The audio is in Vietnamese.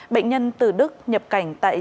bệnh nhân từ đức nhập cảnh